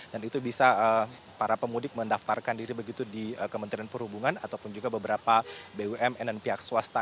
dan itu bisa para pemudik mendaftarkan diri begitu di kementerian perhubungan ataupun juga beberapa bumn dan pihak swasta